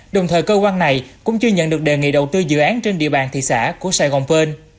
đồng thời cơ quan này cũng chưa nhận được đề nghị đầu tư dự án trên địa bàn thị xã của sài gòn pearl